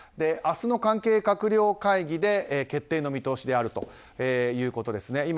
明日の関係閣僚会議で決定の見通しであるということですね。